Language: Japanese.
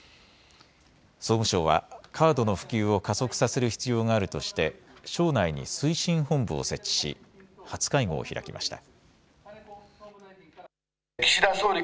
総務省はカードの普及を加速させる必要があるとして省内に推進本部を設置し初会合を開きました。